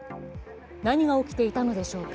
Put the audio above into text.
何が起きていたのでしょうか。